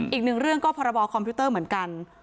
อีกหนึ่งเรื่องก็พรบคอมพิวเตอร์เหมือนกัน